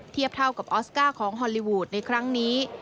เทียบเท่ากับออสการ์ของฮอลลีวูดในครั้งนี้